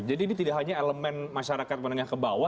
jadi ini tidak hanya elemen masyarakat menengah ke bawah